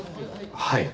はい。